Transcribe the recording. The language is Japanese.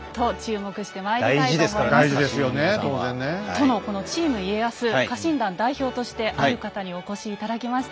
殿このチーム家康家臣団代表としてある方にお越し頂きました。